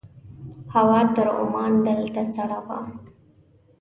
هوا تر عمان دلته سړه وه.